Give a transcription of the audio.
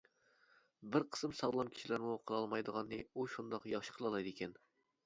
بىر قىسىم ساغلام كىشىلەرمۇ قىلالمايدىغاننى ئۇ شۇنداق ياخشى قىلالايدىكەن.